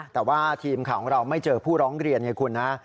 แต่ว่าทีมข่าวของเราไม่เจอผู้ร้องเรียนไงคุณนะ